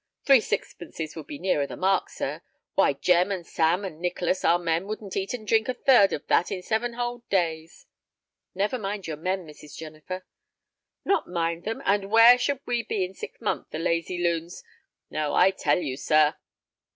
"Three sixpences would be nearer the mark, sir. Why, Jem and Sam and Nicholas, our men, wouldn't eat and drink a third of that in seven whole days." "Never mind your men, Mrs. Jennifer." "Not mind them! And where should we be in six months, the lazy loons! No, I tell you, sir."